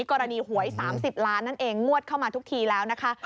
หวย๓๐ล้านนั่นเองงวดเข้ามาทุกทีแล้วนะคะ